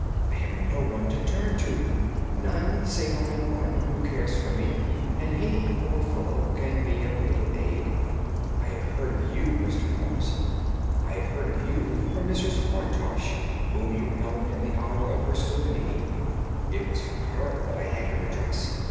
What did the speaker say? I have no one to turn to—none, save only one, who cares for me, and he, poor fellow, can be of little aid. I have heard of you, Mr. Holmes; I have heard of you from Mrs. Farintosh, whom you helped in the hour of her sore need. It was from her that I had your address.